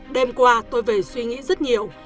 đêm qua tôi về suy nghĩ rất nhiều